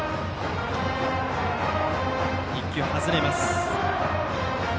１球、外れます。